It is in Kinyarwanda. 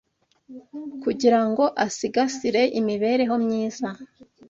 kugira ngo asigasire imibereho myiza